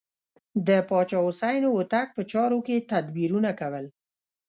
د پاچا شاه حسین هوتک په چارو کې تدبیرونه کول.